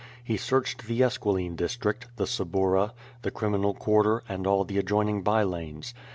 He searched the Esquiline district, the Suburra, the criminal quarter, and all the adjoining by lanes.